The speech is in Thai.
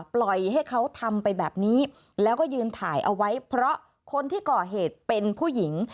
ปล่อยให้เขาทำไปแบบนี้แล้วก็ยืนถ่ายเอาไว้เพราะคนที่ก่อเหตุเป็นผู้หญิง